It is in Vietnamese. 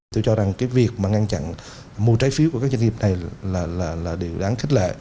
tôi cho rằng việc ngăn chặn mua trái phiếu của các doanh nghiệp này là điều đáng khích lệ